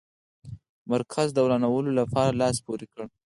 مرکز د ورانولو لپاره لاس پوري کړ.